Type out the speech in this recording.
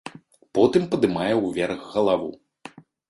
Потым падымае ўверх галаву.